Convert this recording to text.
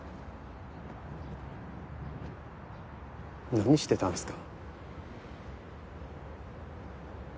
何してたんですか？